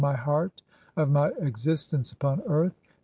My heart of "my existence upon earth.